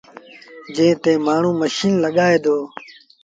جݩهݩ تي مآڻهوٚݩ ميٚشيٚن لڳائيٚݩ دآ۔